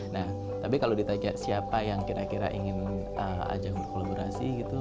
nah tapi kalau ditanya siapa yang kira kira ingin ajak berkolaborasi gitu